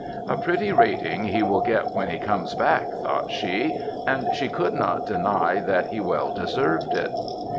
A pretty rating he will get when he comes back thought she; and she could not deny that he well deserved it.